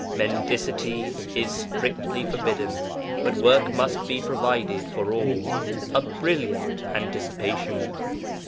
Mendicity is strictly forbidden, but work must be provided for all. A brilliant anticipation!